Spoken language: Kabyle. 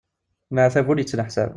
Leɛtab ur yettneḥsab!